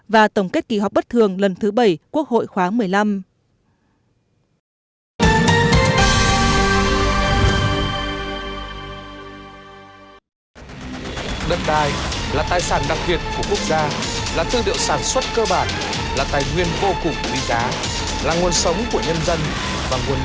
và tổng kết kỳ họp bất thường lần thứ bảy quốc hội khoáng một mươi năm